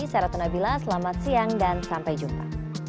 saya ratna bila selamat siang dan sampai jumpa